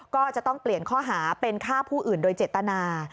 ก็จะต้องเปลี่ยนข้อหาเป็นฆ่าผู้อื่นโดยเจตนา